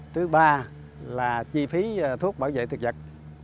thứ ba là chi phí thuốc bảo vệ thực vật